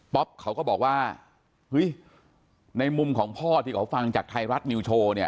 ป๊อปเขาก็บอกว่าในมุมของพ่อที่เขาฟังจากไทยรัฐมิวโชว์